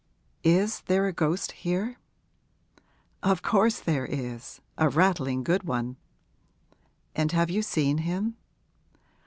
Is there a ghost here?' 'Of course there is a rattling good one.' 'And have you seen him?'